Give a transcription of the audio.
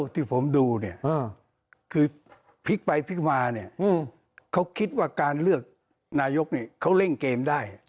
ที่ผมดูก็คิดว่าการเลือกนายกเขาเล่นเกมได้